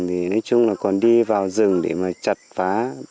thì nói chung là còn đi vào rừng để mà chặt phá